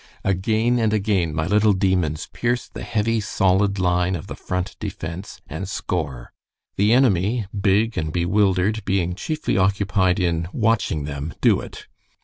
"Again and again my little demons pierce the heavy, solid line of the Front defense, and score, the enemy, big and bewildered, being chiefly occupied in watching them do it.